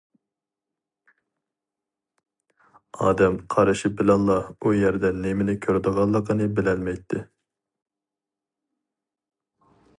ئادەم قارىشى بىلەنلا ئۇ يەردە نېمىنى كۆرىدىغانلىقىنى بىلەلمەيتتى.